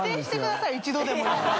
一度でもいいから。